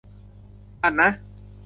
อ่ะนะ